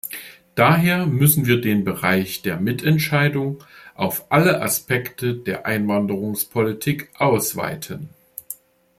Daher müssen wir den Bereich der Mitentscheidung auf alle Aspekte der Einwanderungspolitik ausweiten.